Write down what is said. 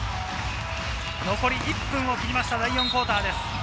残り１分を切りました、第４クオーターです。